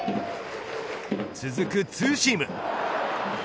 続くツーシーム。